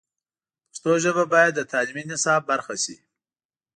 پښتو ژبه باید د تعلیمي نصاب برخه شي.